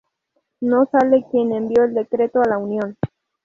No sale quien envío el decreto a la unión.